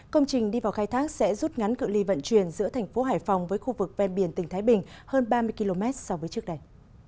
công trình đi vào khai thác sẽ rút ngắn cự li vận chuyển giữa thành phố hải phòng với khu vực ven biển tỉnh thái bình hơn ba mươi km so với trước đây